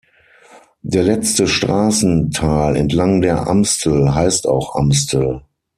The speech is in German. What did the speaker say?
Der letzte Straßenteil entlang der Amstel heißt auch Amstel.